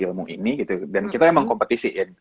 ilmu ini gitu dan kita emang kompetisi